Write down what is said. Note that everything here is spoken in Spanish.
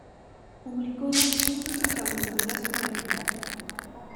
Publicó dos libros de tablaturas para guitarra.